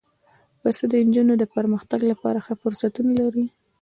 پسه د نجونو د پرمختګ لپاره ښه فرصتونه لري.